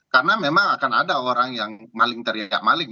karena memang akan ada orang yang maling teriak maling